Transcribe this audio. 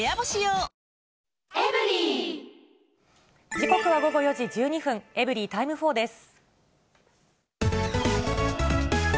時刻は午後４時１２分、エブリィタイム４です。